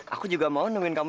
aku juga mau nemuin kamu